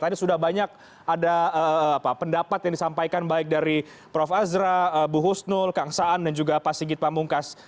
tadi sudah banyak ada pendapat yang disampaikan baik dari prof azra bu husnul kang saan dan juga pak sigit pamungkas